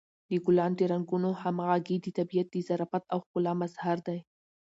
د ګلانو د رنګونو همغږي د طبیعت د ظرافت او ښکلا مظهر دی.